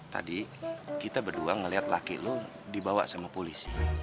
tadi kita berdua ngeliat laki lo dibawa sama polisi